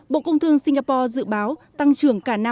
bộ công thương singapore dự báo tăng trưởng cả năm hai nghìn hai mươi